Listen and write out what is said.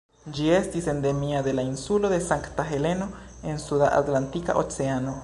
Ĝi estis endemia de la insulo de Sankta Heleno en Suda Atlantika Oceano.